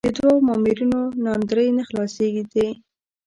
د دوو مامورینو ناندرۍ نه خلاصېدې.